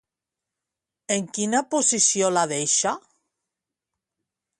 En quina posició la deixa?